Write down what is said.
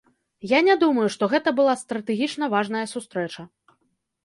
Я не думаю, што гэта была стратэгічна важная сустрэча.